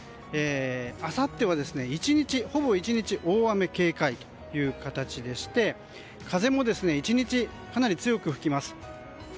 あさっては、ほぼ１日大雨警戒という形でして風も１日かなり強く吹きます。